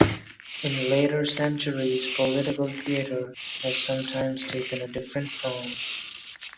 In later centuries, political theatre has sometimes taken a different form.